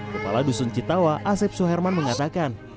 kepala dusun citawa asep suherman mengatakan